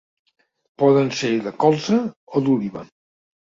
Poden ser de colza o d'oliva.